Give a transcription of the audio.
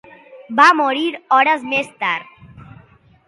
Va morir-hi hores més tard.